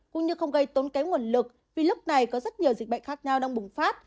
cũng như không gây tốn kém nguồn lực vì lúc này có rất nhiều dịch bệnh khác nhau đang bùng phát